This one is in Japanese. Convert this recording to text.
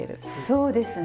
そうですね。